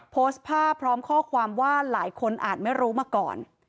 โพสต์ภาพพร้อมข้อความว่าหลายคนอาจไม่รู้มาก่อน